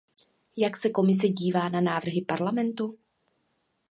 Jak se Komise dívá na návrhy Parlamentu?